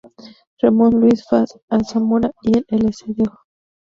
Ramón Luis, Fas Alzamora y el Lcdo.